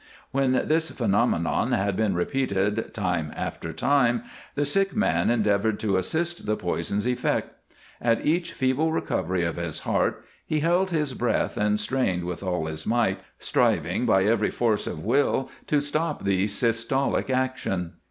When this phenomenon had been repeated time after time the sick man endeavored to assist the poison's effect. At each feeble recovery of his heart he held his breath and strained with all his might, striving by every force of will to stop the systolic action.